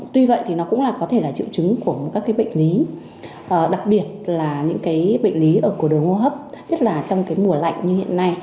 tuy vậy thì nó cũng là có thể là triệu chứng của các bệnh lý đặc biệt là những cái bệnh lý ở của đường hô hấp nhất là trong cái mùa lạnh như hiện nay